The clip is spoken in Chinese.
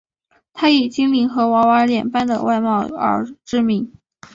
她以精灵和娃娃脸般的外貌而知名。